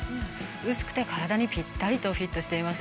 薄くて体にぴったりとフィットしています。